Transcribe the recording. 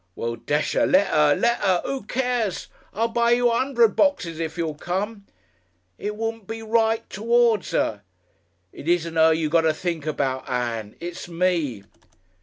"Well, desh'er let'er! LET'ER! Who cares? I'll buy you a 'undred boxes if you'll come." "It wouldn't be right towards Her." "It isn't Her you got to think about, Ann. It's me."